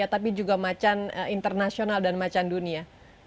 tapi juga macan internasional dan macan dunia